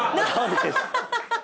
ハハハハ。